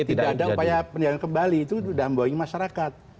tidak ada upaya penyelenggaraan kembali itu sudah membodohi masyarakat